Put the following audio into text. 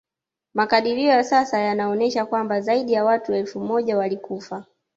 Makadirio ya sasa yanaonesha kwamba zaidi ya watu elfu moja walikufa